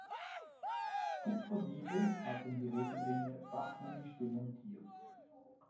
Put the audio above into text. Kupferdiebe hatten die Regenrinne fachmännisch demontiert.